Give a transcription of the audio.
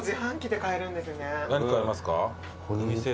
何買いますか？